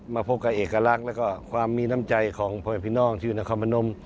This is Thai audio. มาพบกับเอกลักษณ์แล้วก็ความมีน้ำใจของพ่อพี่น้องที่อยู่นครพนม